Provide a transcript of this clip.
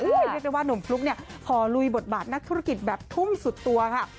เรียกได้ว่าหนุ่มฟลุ๊กเนี่ยห่อลุยบทบาทนักธุรกิจแบบทุ่มสุดตัวค่ะ